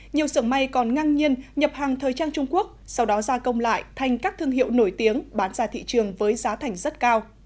nhiều sưởng may còn ngang nhiên nhập hàng thời trang trung quốc sau đó gia công lại thành các thương hiệu nổi tiếng bán ra thị trường với giá thành rất cao